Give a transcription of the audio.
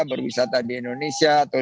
berwisata di indonesia atau